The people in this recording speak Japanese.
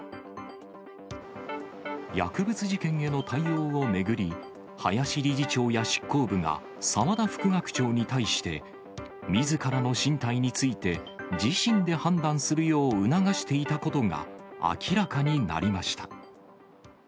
薬物事件への対応を巡り、林理事長や執行部が、澤田副学長に対して、みずからの進退について、自身で判断するよう促していたことが明らかになりました。